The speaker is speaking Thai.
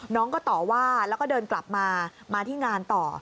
น้องก็ต่อว่าแล้วก็เดินกลับมามาที่งานต่อ